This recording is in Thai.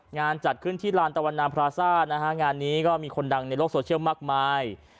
จัดขึ้นที่ลานตะวันนามพราซ่านะฮะงานนี้ก็มีคนดังในโลกโซเชียลมากมาย